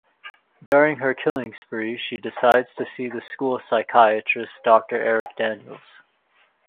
During her killing spree, she decides to see the school psychiatrist, Doctor Eric Daniels.